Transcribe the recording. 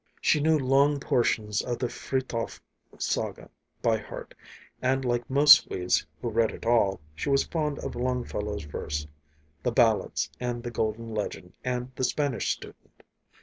She knew long portions of the "Frithjof Saga" by heart, and, like most Swedes who read at all, she was fond of Longfellow's verse,—the ballads and the "Golden Legend" and "The Spanish Student."